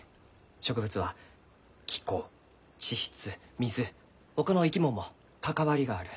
植物は気候地質水ほかの生き物も関わりがある。